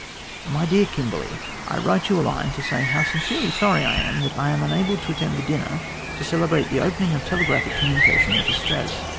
MY DEAR KIMBERLEY, I write you a line to say how sincerely sorry I am that I am unable to attend the dinner to celebrate the MR GLADSTONE AND THE COLONIES 251 opening of telegraphic communication with Australia.